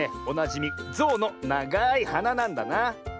おなじみゾウのながいはななんだな。